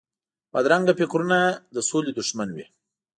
بدرنګه فکرونه د سولې دښمن وي